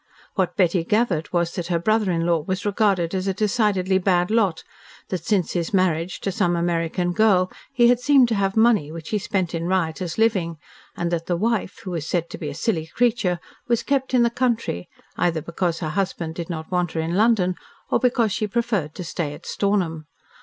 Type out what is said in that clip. What Betty gathered was that her brother in law was regarded as a decidedly bad lot, that since his marriage to some American girl he had seemed to have money which he spent in riotous living, and that the wife, who was said to be a silly creature, was kept in the country, either because her husband did not want her in London, or because she preferred to stay at Stornham.